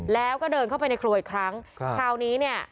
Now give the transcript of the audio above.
แล้วก็เดินเข้าไปในครัวอีกครั้งครับคราวนี้เนี่ย